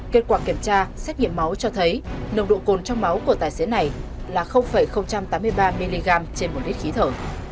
kết quả kiểm tra xét nghiệm máu cho thấy nồng độ cồn trong máu của tài xế này là tám mươi ba mg trên một lít khí thở